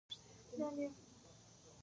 خو وروسته د دې ډلو ترمنځ اختلاف ورک شو.